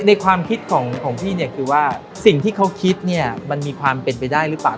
ในความคิดของพี่เนี่ยคือว่าสิ่งที่เขาคิดเนี่ยมันมีความเป็นไปได้หรือเปล่า